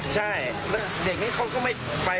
ใช่แล้วเด็กนี้เขาก็ไม่ไป